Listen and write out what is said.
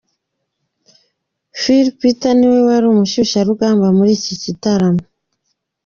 Phil Peter niwe wari umushyushyarugamba muri iki gitaramo.